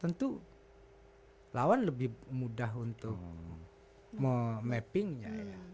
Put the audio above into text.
tentu lawan lebih mudah untuk memappingnya ya